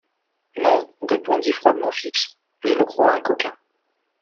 Non, répondit froidement Fix, je le crois un coquin...